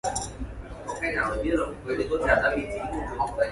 The reactions proceed through a transition state with oxocarbenium ion characteristics.